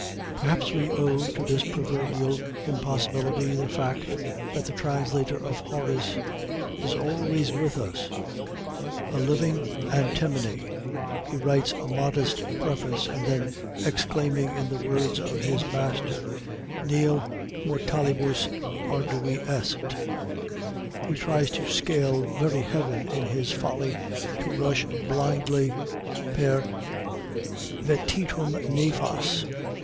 Perhaps we owe to this proverbial impossibility the fact that the translator of Horace is always with us. A living antinomy, he writes a modest preface; then exclaiming in the words of his master, "Nil mortalibus ardui est," he tries to scale very heaven in his folly, to rush blindly per vetitum nefas.